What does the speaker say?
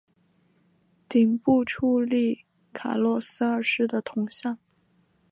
顶部矗立卡洛斯二世的铜像。